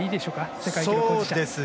世界記録保持者。